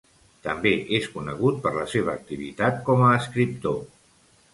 També és conegut per la seva activitat com a escriptor.